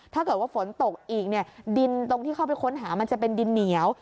ถ้าเกิดว่าฝนตกอีกเนี่ยดินตรงที่เข้าไปค้นหามันจะเป็นดินเหนียว